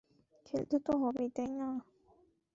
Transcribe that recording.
খেলতে তো হবেই, তাই না?